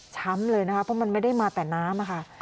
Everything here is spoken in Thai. เลยนะคะเพราะมันไม่ได้มาแต่น้ำค่ะ